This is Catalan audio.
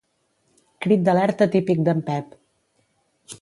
Crit d'alerta típic d'en Pep.